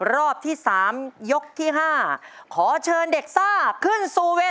รอบที่๓ยกที่๕ขอเชิญเด็กซ่าขึ้นสู่เวที